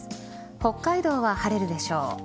北海道は晴れるでしょう。